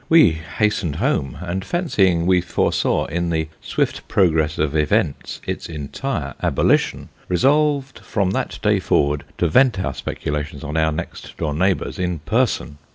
We hastened home ; and fancying we foresaw in the swift progress of events, its entire abolition, resolved from that day forward to vent our specula tions on our next door neighbours in person.